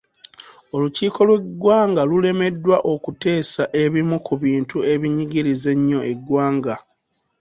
Olukiiko lw'eggwanga lulemeddwa okuteesa ebimu ku bintu ebinyigiriza ennyo eggwanga.